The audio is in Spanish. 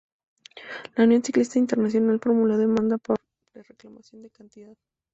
La unión ciclista internacional formuló demanda de reclamación de cantidad.